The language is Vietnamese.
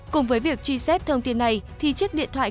cùng với việc truy xét thông tin này thì chiếc điện thoại